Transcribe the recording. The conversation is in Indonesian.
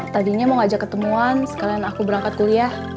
tadinya mau ngajak ketemuan sekalian aku berangkat kuliah